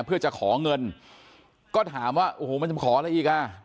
เพื่อจะขอเงินก็ถามว่าโอ้โหมันจะขออะไรอีกอ่ะ